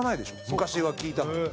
昔は聞いたけど。